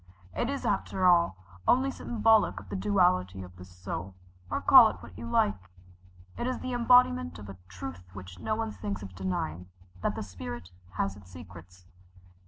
It is after all only symbolic of the duality of the soul or call it what you like. It is the embodiment of a truth which no one thinks of denying that the spirit has its secrets.